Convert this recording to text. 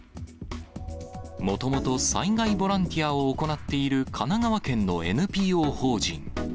もともと災害ボランティアを行っている神奈川県のＮＰＯ法人。